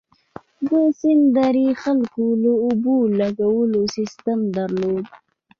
د سند درې خلکو د اوبو لګولو سیستم درلود.